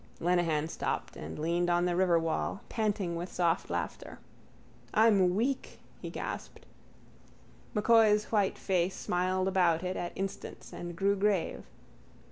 Lenehan stopped and leaned on the riverwall, panting with soft laughter. —I'm weak, he gasped. M'Coy's white face smiled about it at instants and grew grave.